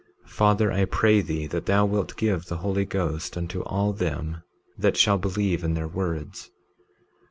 19:21 Father, I pray thee that thou wilt give the Holy Ghost unto all them that shall believe in their words.